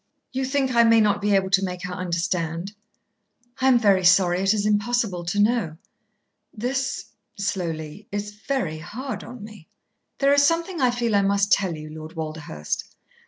"You think I may not be able to make her understand?" "I am very sorry. It is impossible to know." "This," slowly, "is very hard on me." "There is something I feel I must tell you, Lord Walderhurst." Dr.